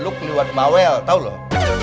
lu keliwat mawel tau loh